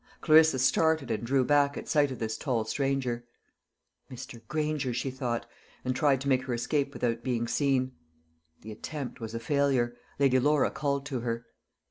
Clarissa started and drew back at sight of this tall stranger. "Mr. Granger," she thought, and tried to make her escape without being seen. The attempt was a failure. Lady Laura called to her.